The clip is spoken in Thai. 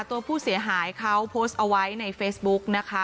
ตัวผู้เสียหายเขาโพสต์เอาไว้ในเฟซบุ๊กนะคะ